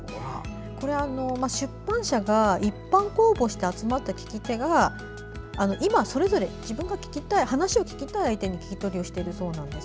出版社が一般公募して集まった聞き手が今、それぞれ自分が話を聞きたい相手に聞き取りをしているそうなんです。